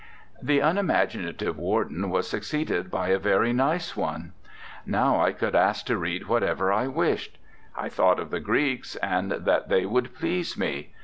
"The unimaginative warden was suc ceeded by a very nice one. Now I could ask to read whatever I wished. I thought of the Greeks, and that they would please me.